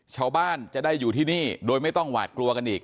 ชาวบ้านจะได้อยู่ที่นี่โดยไม่ต้องหวาดกลัวกันอีก